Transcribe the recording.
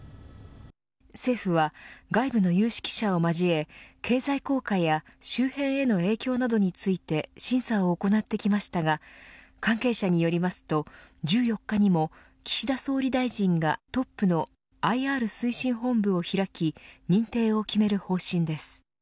政府は外部の有識者を交え経済効果や周辺への影響などについて審査を行ってきましたが関係者によりますと１４日にも岸田総理大臣がトップのＩＲ推進本部を開き認定を決める方針です。